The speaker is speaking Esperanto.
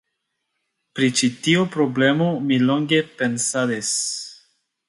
Pri ĉi tiu problemo mi longe pensadis.